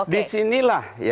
di sini lah